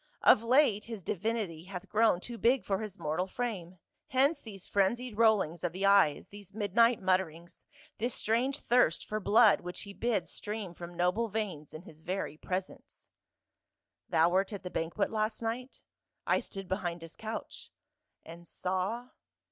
Of late his divinity hath grown too big for his mortal frame, hence these frenzied rollings of the eyes, these midnight mutterings, this strange thirst for blood which he bids stream from noble veins in his very presence." " Thou wert at the banquet last night?" " I stood behind his couch." "And saw?"